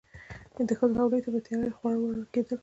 د ښځو حویلۍ ته به تیار خواړه وروړل کېدل.